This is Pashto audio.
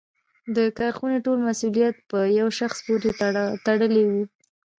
د کارخونې ټول مسوولیت په یوه شخص پورې تړلی و.